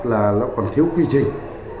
là nó còn thiếu quy trình